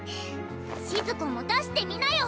しず子も出してみなよ！